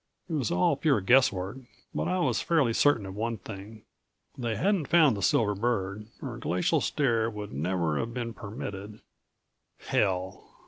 It was all pure guesswork, but I was fairly certain of one thing. They hadn't found the silver bird or Glacial Stare would never have been permitted Hell